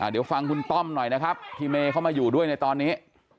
เดี๋ยวฟังคุณต้อมหน่อยนะครับที่เมย์เข้ามาอยู่ด้วยในตอนนี้